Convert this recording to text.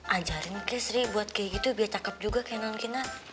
ajarin ke sri buat kayak gitu biar cakep juga kayak nankinar